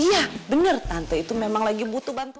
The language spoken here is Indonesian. iya bener tante itu memang lagi butuh bantuan